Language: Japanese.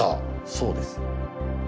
そうです。